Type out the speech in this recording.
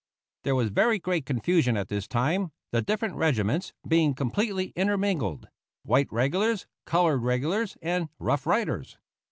There was very great confusion at this time, the different regiments being completely intermingled white regulars, colored regulars, and Rough Riders.